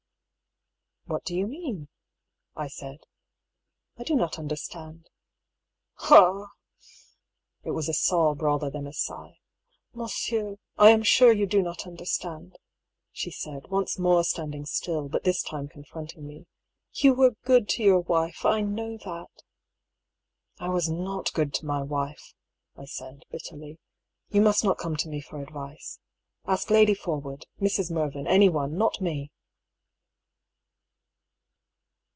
" What do you mean ?" I said. " I do not under stand." " Ah !" (It was a sob rather than a sigh.) " Mon sieur, I am sure you do not understand," she said, once more standing still, but this time confronting me. " You were good to your wife, I know that !"" I was not good to my wife," I said, bitterly. " You must not come to me for advice. Ask Lady Porwood, Mrs. Mervyn, anyone, not me